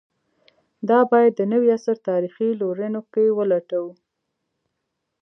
دا باید د نوي عصر تاریخي لورینو کې ولټوو.